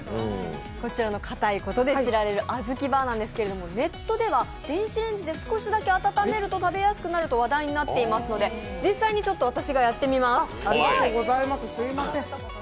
こちらも堅いことで知られるあずきバーなんですがネットでは電子レンジで少しだけ温めると食べやすくなると話題になっていますので、実際に私がやってみます。